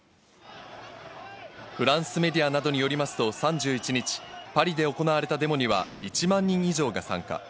フランスメディアなどによりますと３１日、パリで行われたデモには１万人以上が参加。